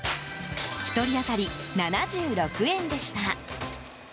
１人当たり７６円でした。